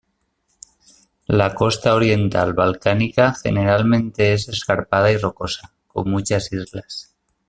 La costa oriental balcánica generalmente es escarpada y rocosa, con muchas islas.